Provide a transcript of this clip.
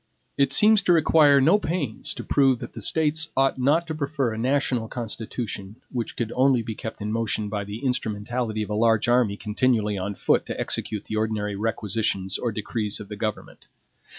It seems to require no pains to prove that the States ought not to prefer a national Constitution which could only be kept in motion by the instrumentality of a large army continually on foot to execute the ordinary requisitions or decrees of the government.